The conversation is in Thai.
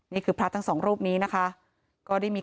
นี่คือพระตั้งสองรูปนี้